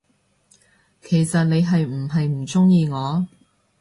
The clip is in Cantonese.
其實你係唔係唔鍾意我，？